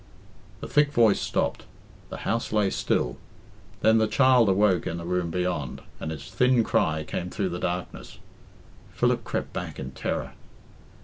The thick voice stopped, the house lay still, then the child awoke in a room beyond, and its thin cry came through the darkness. Philip crept back in terror.